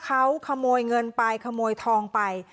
เขาขโมยเงินไปขโมยทองไป